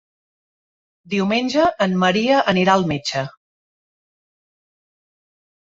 Diumenge en Maria anirà al metge.